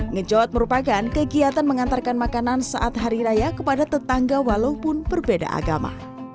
ngejot merupakan kegiatan mengantarkan makanan saat hari raya kepada tetangga walaupun berbeda agama